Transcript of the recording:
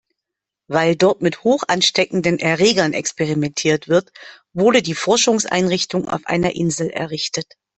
Weil dort mit hochansteckenden Erregern experimentiert wird, wurde die Forschungseinrichtung auf einer Insel errichtet.